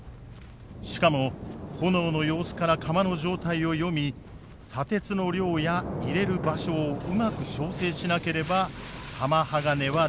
しかも炎の様子から釜の状態を読み砂鉄の量や入れる場所をうまく調整しなければ玉鋼は出来ない。